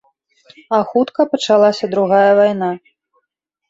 А хутка пачалася другая вайна.